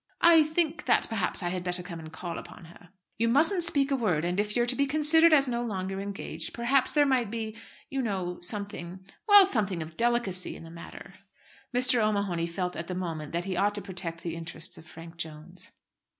"I think that, perhaps, I had better come and call upon her." "You mustn't speak a word! And, if you're to be considered as no longer engaged, perhaps there might be you know something well, something of delicacy in the matter!" Mr. O'Mahony felt at the moment that he ought to protect the interests of Frank Jones.